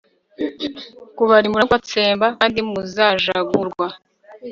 kubarimbura no kubatsemba kandi muzajahurwa